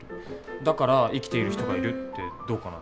だから生きている人がいる」ってどうかな？